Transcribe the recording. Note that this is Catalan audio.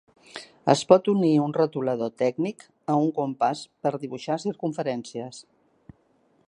Es pot unir un retolador tècnic a un compàs fer dibuixar circumferències.